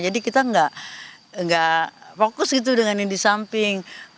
jadi kita gak fokus gitu dengan yang di samping